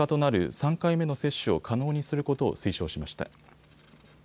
３回目の接種を可能にすることを推奨しました。